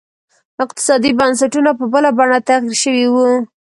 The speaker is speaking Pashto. اقتصادي بنسټونه په بله بڼه تغیر شوي وو.